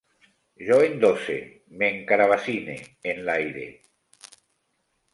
Jo endosse, m'encarabassine, enlaire